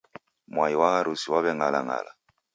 Mwai wa harusi waw'eng'alang'ala.